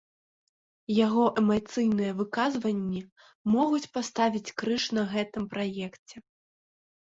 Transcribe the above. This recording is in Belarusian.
Яго эмацыйныя выказванні могуць паставіць крыж на гэтым праекце.